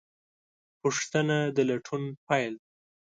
پوښتنه د لټون پیل ده.